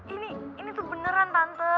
ini ini sebenernya tante